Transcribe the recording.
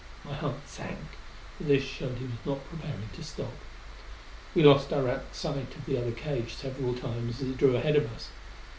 My heart sank, for this showed he was not preparing to stop. We lost direct sight of the other cage several times as it drew ahead of us.